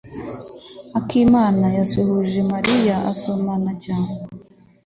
Akimana yasuhuje Mariya asomana cyane.